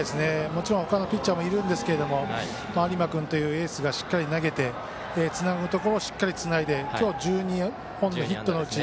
もちろん他のピッチャーもいるんですけど有馬君というエースがしっかり投げて、つなぐところしっかりつないで今日１２本のヒットのうち